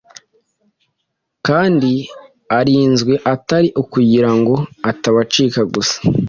kandi arinzwe atari ukugira ngo atabacika gusa,